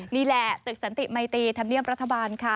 นี่แหละตึกสันติมัยตีธรรมเนียมรัฐบาลค่ะ